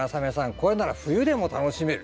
これなら冬でも楽しめる。